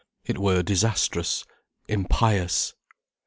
It were disastrous, impious.